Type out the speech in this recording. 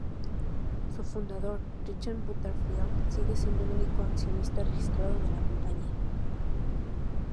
Su fundador Richard Butterfield sigue siendo el único accionista registrado de la compañía.